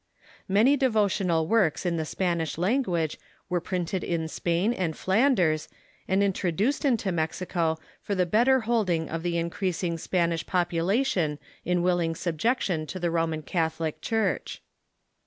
Many devotional works in the Spanish language were printed in Spain and Flanders, and introduced into Mexico for tlie better holding of the increasing Spanish population in Avilling subjection to the Roman Catholic Church.